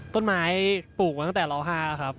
ต้นไม้ปลูกมาตั้งแต่ล๕ครับ